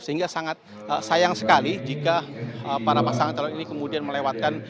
sehingga sangat sayang sekali jika para pasangan calon ini kemudian melewatkan